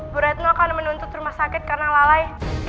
bu retno akan menuntut rumah sakit karena lalai